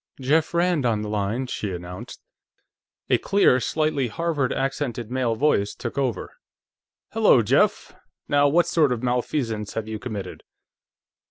"Jeff Rand on the line," she announced. A clear, slightly Harvard accented male voice took over. "Hello, Jeff. Now what sort of malfeasance have you committed?"